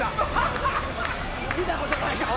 見たことない顔。